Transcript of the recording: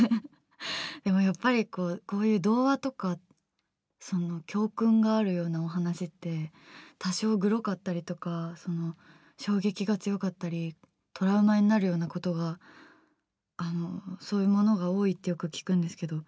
でも、やっぱりこういう童話とか教訓があるようなお話って多少グロかったりとか衝撃が強かったりトラウマになるような事がそういうものが多いっていうか聞くんですけど。